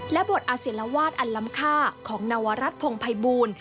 และบทอาเซียลวาสอันล้ำค่าของนวรรัชพงภัยบูรณ์